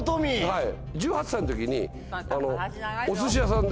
はい。